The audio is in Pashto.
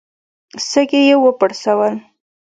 سږي يې وپړسول.